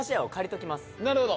なるほど。